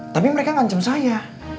tapi mereka ngancem saya